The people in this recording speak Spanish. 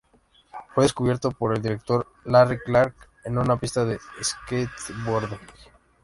Fue descubierto por el director Larry Clark en una pista de skateboarding.